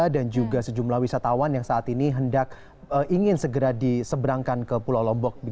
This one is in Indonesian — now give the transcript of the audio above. dan juga sejumlah wisatawan yang saat ini hendak ingin segera diseberangkan ke pulau lombok